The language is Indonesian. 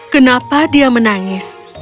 kenapa dia menangis